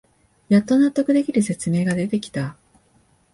やっと納得できる説明が出てきた